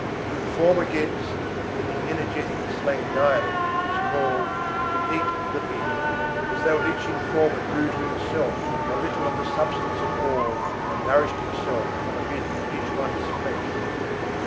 To inform against, in the energetic slang dialect, is called: "to eat the bit." As though the informer drew to himself a little of the substance of all and nourished himself on a bit of each one's flesh.